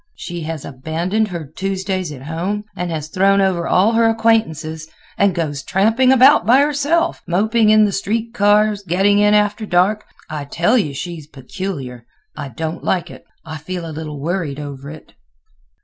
She has abandoned her Tuesdays at home, has thrown over all her acquaintances, and goes tramping about by herself, moping in the street cars, getting in after dark. I tell you she's peculiar. I don't like it; I feel a little worried over it."